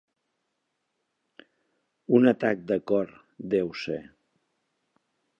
Un atac de cor, deu ser.